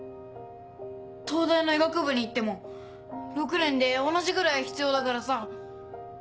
東大の医学部に行っても６年で同じぐらい必要だからさ。